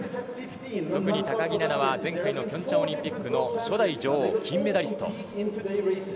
特に高木菜那は前回のピョンチャンオリンピックの初代女王、金メダリスト。